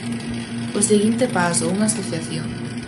O seguinte paso, unha asociación.